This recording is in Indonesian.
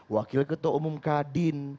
wakil ketua umum kadin